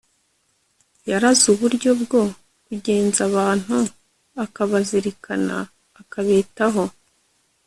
Yarazuburyo bgo kugenzabantu akabazirikana akabitaho